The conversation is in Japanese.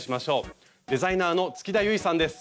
デザイナーの月田ゆいさんです。